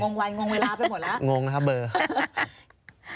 งงวันงงเวลาไปหมดละ